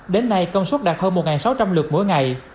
đến nay công suất đạt hơn một sáu trăm linh lượt mỗi ngày